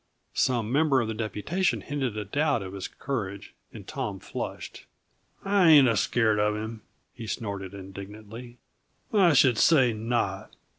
Some member of the deputation hinted a doubt of his courage, and Tom flushed. "I ain't scared of him," he snorted indignantly. "I should say not!